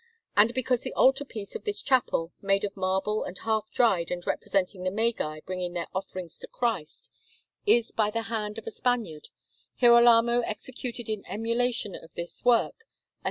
And because the altar piece of this chapel, made of marble in half relief and representing the Magi bringing their offerings to Christ, is by the hand of a Spaniard, Girolamo executed in emulation of this work a S.